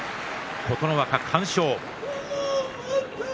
琴ノ若完勝。